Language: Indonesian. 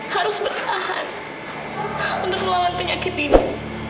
harus bertahan untuk melawan penyakit ini